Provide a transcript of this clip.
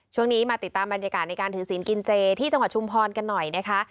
ช่วงนี้มาติดตามบรรยากาศในการถือศีลกินเจที่จังหวัดชุมพรกันหน่อยนะคะ